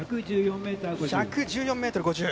１１４ｍ５０。